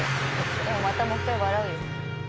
でもまたもう１回笑うよ。